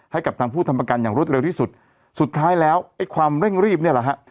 ให้กับทางผู้ทำประกันอย่างรวดเร็วที่สุดสุดท้ายแล้วไอ้ความเร่งรีบเนี่ยแหละฮะ